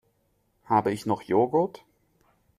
Habe ich noch Joghurt?